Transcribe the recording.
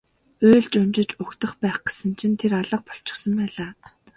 Уйлж унжиж угтах байх гэсэн чинь тэр алга болчихсон байлаа.